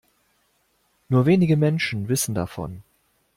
Nur wenige Menschen wissen davon.